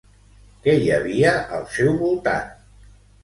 Què hi havia al seu voltant?